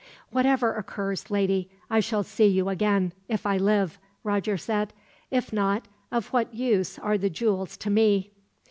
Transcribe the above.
"Whatever occurs, lady, I shall see you again, if I live," Roger said. "If not, of what use are the jewels to me?"